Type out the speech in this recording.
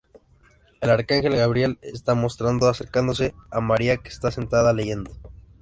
El arcángel Gabriel está mostrado acercándose a María, que está sentada leyendo.